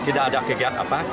tidak ada kegiat apa